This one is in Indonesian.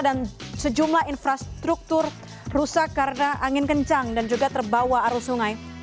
dan sejumlah infrastruktur rusak karena angin kencang dan juga terbawa arus sungai